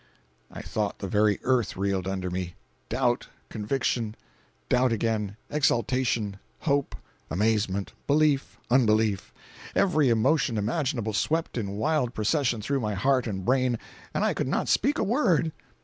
I thought the very earth reeled under me. Doubt—conviction—doubt again—exultation—hope, amazement, belief, unbelief—every emotion imaginable swept in wild procession through my heart and brain, and I could not speak a word.